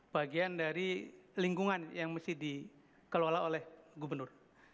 bagian dari lingkungan yang mesti dikelola oleh gubernur